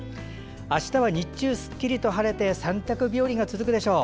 あしたは日中すっきりと晴れて洗濯日和が続くでしょう。